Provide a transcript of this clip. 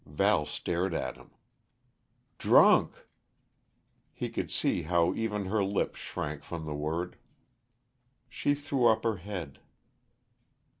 Val stared at him. "Drunk!" He could see how even her lips shrank from the word. She threw up her head.